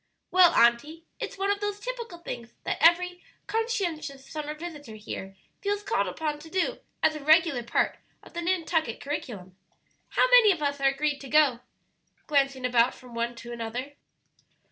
"Well, auntie, it's one of those typical things that every conscientious summer visitor here feels called upon to do as a regular part of the Nantucket curriculum. How many of us are agreed to go?" glancing about from one to another.